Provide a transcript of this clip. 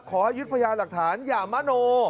ขอยึดพยายามหลักฐานอย่ามอน่อ